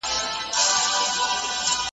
یوازیتوب د ځوانانو لویه ستونزه ده.